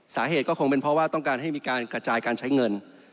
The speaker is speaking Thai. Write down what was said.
สาเหตุก็คงเป็นเพราะว่าต้องการให้มีการกระจายการใช้เงิน